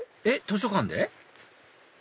えっ図書館で？